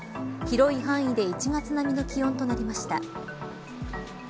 広い範囲で１月並みの気温となりました。